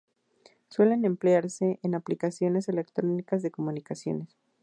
Suelen emplearse en aplicaciones electrónicas de comunicaciones.